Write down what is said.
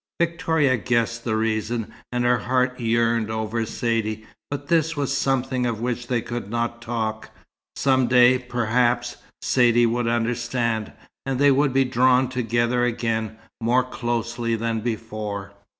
Victoria guessed the reason, and her heart yearned over Saidee; but this was something of which they could not talk. Some day, perhaps, Saidee would understand, and they would be drawn together again more closely than before.